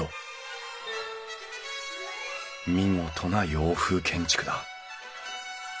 見事な洋風建築だ。